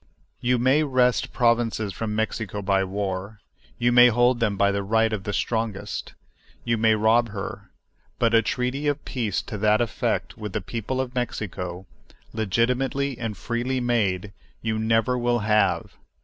You may wrest provinces from Mexico by war—you may hold them by the right of the strongest—you may rob her; but a treaty of peace to that effect with the people of Mexico, legitimately and freely made, you never will have!